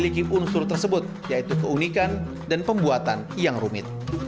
kaligrafi jarum paku memiliki unsur tersebut yaitu keunikan dan pembuatan yang rumit